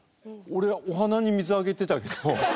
俺お花に水あげてたけど。